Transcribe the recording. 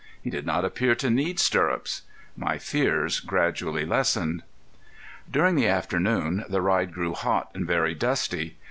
He did not appear to need stirrups. My fears gradually lessened. During the afternoon the ride grew hot, and very dusty.